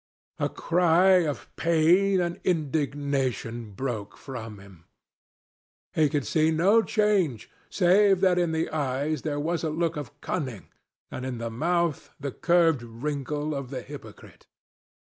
A cry of pain and indignation broke from him. He could see no change, save that in the eyes there was a look of cunning and in the mouth the curved wrinkle of the hypocrite.